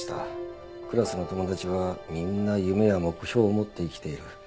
クラスの友達はみんな夢や目標を持って生きている。